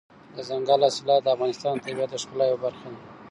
دځنګل حاصلات د افغانستان د طبیعت د ښکلا یوه برخه ده.